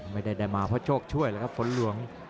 ไม่ได้ได้มาเพราะโชคช่วยแล้วครับฝนหลวง